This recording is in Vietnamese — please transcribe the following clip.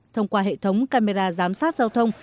thông qua hệ thống camera giám sát giao thông